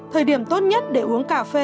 thời điểm tốt nhất để uống cà phê